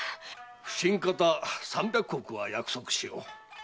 普請方三百石は約束しよう。